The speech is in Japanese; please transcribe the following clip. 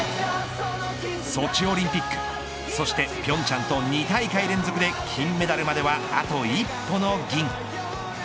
ソチオリンピックそして平昌と２大会連続で金メダルまではあと一歩の銀。